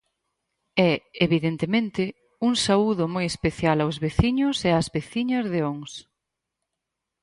E, evidentemente, un saúdo moi especial aos veciños e ás veciñas de Ons.